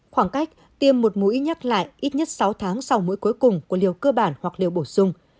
khoảng cách tiêm một mũi nhắc lại ít nhất sáu tháng sau mũi cuối cùng của liều cơ bản hoặc liều bổ sung